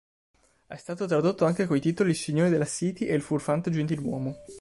È stato tradotto anche coi titoli Il signore della City e Il furfante gentiluomo.